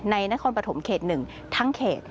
นครปฐมเขต๑ทั้งเขต